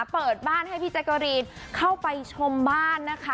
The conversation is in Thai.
เปิดบ้านให้พี่แจ๊กกะรีนเข้าไปชมบ้านนะคะ